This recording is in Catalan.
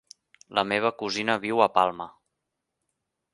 La meva cosina viu a Palma.